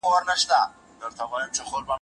چې «سر» به ونه ساتي